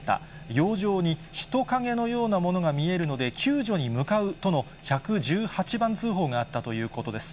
洋上に人影のようなものが見えるので救助に向かうとの１１８番通報があったということです。